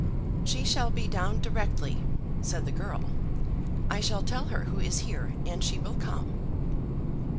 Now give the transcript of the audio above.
"She shall be down directly," said the girl. "I shall tell her who is here, and she will come."